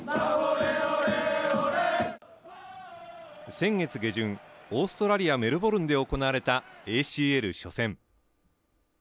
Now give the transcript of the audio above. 先月下旬、オーストラリア・メルボルンで行われたＡＣＬ初戦。